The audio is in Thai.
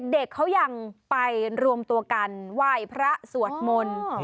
เด็กเขายังไปรวมตัวกันไหว้พระสวดมนต์